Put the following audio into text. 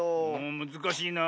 むずかしいなあ。